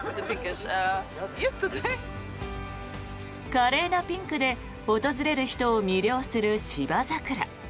華麗なピンクで訪れる人を魅了するシバザクラ。